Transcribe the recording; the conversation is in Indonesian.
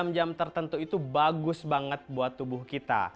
jam jam tertentu itu bagus banget buat tubuh kita